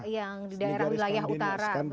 yang di daerah wilayah utara